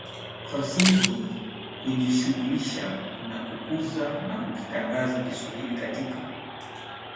fasihi Kujishughulisha na kukuza na kukitangaza Kiswahili katika